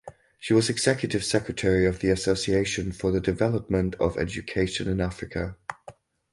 She was Executive Secretary of the Association for the Development of Education in Africa.